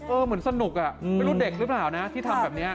เหมือนสนุกอ่ะไม่รู้เด็กหรือเปล่านะที่ทำแบบนี้